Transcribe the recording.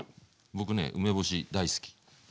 僕ね梅干し大好き。